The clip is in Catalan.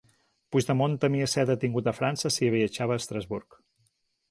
“Puigdemont temia ser detingut a França si viatjava a Estrasburg”.